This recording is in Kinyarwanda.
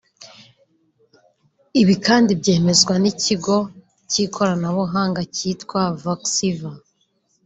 Ibi kandi byemezwa n’ubuyobozi bw’Ikigo cy’ikoranabuhanga cyitwa “Voxiva”